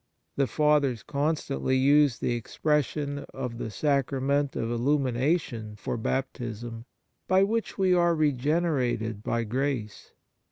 3 The Fathers constantly use the expres sion of the Sacrament of Illumination for Baptism, by which we are regenerated by grace.